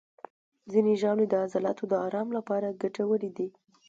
ځینې ژاولې د عضلاتو د آرام لپاره ګټورې دي.